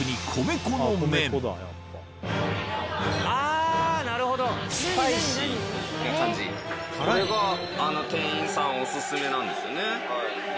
これがあの店員さんオススメなんですよね。